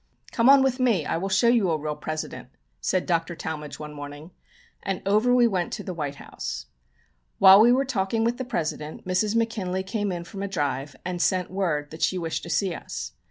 "Come on with me, I will show you a real President," said Dr. Talmage one morning, and over we went to the White House. While we were talking with the President, Mrs. McKinley came in from a drive and sent word that she wished to see us.